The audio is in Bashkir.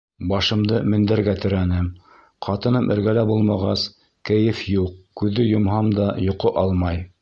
Башымды мендәргә терәнем, ҡатыным эргәлә булмағас, кәйеф юҡ, күҙҙе йомһам да, йоҡо алмай.